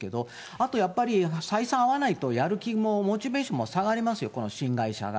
あとやっぱり採算合わないと、やる気もモチベーションも下がりますよ、この新会社が。